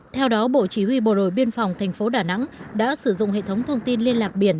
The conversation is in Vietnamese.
theo đó bộ chỉ huy bộ đội biên phòng thành phố đà nẵng đã sử dụng hệ thống thông tin liên lạc biển